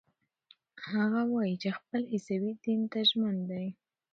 هغه وايي چې خپل عیسوي دین ته ژمن دی.